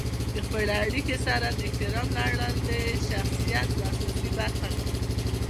د خپلې اړیکو سره د احترام لرل د شخصیت یوه اساسي برخه ده.